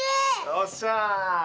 よっしゃあ！